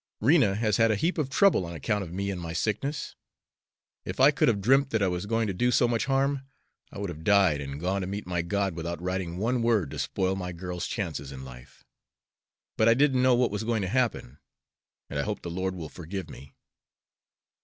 Rena has had a heap of trouble on account of me and my sickness. If I could of dreamt that I was going to do so much harm, I would of died and gone to meet my God without writing one word to spoil my girl's chances in life; but I didn't know what was going to happen, and I hope the Lord will forgive me.